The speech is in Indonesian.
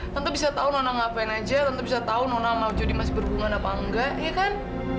tante bisa tahu nona ngapain aja tante bisa tahu nona mau jadi mas berbunga apa nggak iya kan